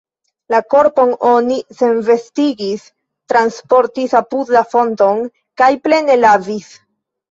La korpon oni senvestigis, transportis apud la fonton, kaj plene lavis.